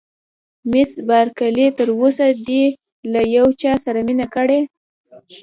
مس بارکلي: تر اوسه دې له یو چا سره مینه کړې؟